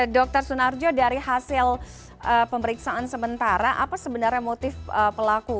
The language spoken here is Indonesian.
dr sunarjo dari hasil pemeriksaan sementara apa sebenarnya motif pelaku